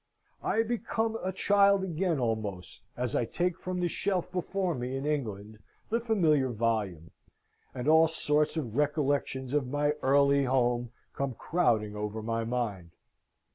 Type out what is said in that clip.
I become a child again almost as I take from the shelf before me in England the familiar volume, and all sorts of recollections of my early home come crowding over my mind.